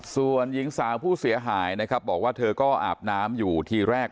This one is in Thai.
ส่วนหญิงสาวผู้เสียหายนะครับบอกว่าเธอก็อาบน้ำอยู่ทีแรก